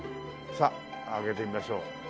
さあ開けてみましょう。